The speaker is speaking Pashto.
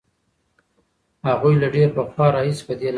هغوی له ډېر پخوا راهیسې په دې لاره ځي.